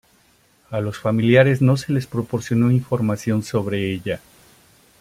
A los familiares no se les proporcionó información sobre ella.